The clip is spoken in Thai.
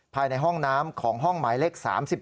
ภายในห้องน้ำของห้องหมายเลข๓๔